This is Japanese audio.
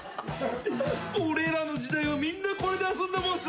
俺らの時代はみんなこれで遊んだもんさ。